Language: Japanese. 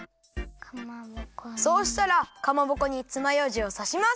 そうしたらかまぼこにつまようじをさします！